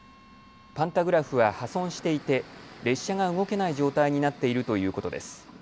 パンタグラフは破損していて列車が動けない状態になっているということです。